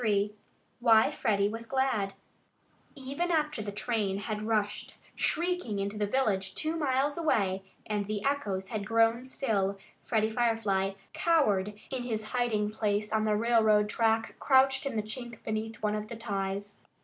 XXIII WHY FREDDIE WAS GLAD Even after the train had rushed shrieking into the village two miles away, and the echoes had grown still, Freddie Firefly cowered in his hiding place on the railroad track, crouched in the chink beneath one of the ties.